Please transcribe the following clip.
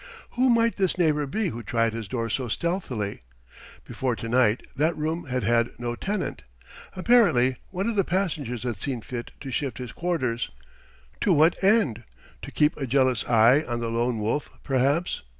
Who might this neighbour be who tried his door so stealthily? Before to night that room had had no tenant. Apparently one of the passengers had seen fit to shift his quarters. To what end? To keep a jealous eye on the Lone Wolf, perhaps?